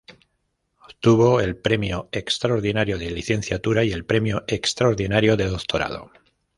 Obtuvo el premio extraordinario de Licenciatura y el premio extraordinario de Doctorado.